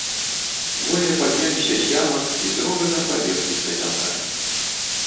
Двое падняліся з ямак і з рогатам пабеглі з кацялкамі.